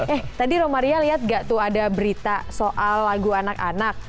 eh tadi romaria lihat gak tuh ada berita soal lagu anak anak